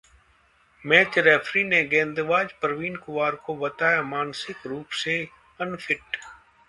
match referee ने गेंदबाज प्रवीण कुमार को बताया ‘मानसिक रूप से अनफिट’